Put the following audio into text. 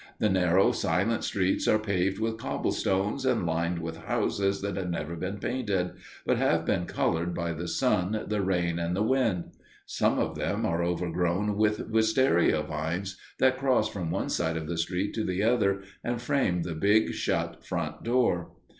The narrow, silent streets are paved with cobblestones, and lined with houses that have never been painted, but have been colored by the sun, the rain, and the wind. Some of them are overgrown with wistaria vines that cross from one side of the street to the other and frame the big shut front door.